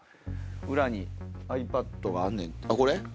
裏にｉＰａｄがあっこれ。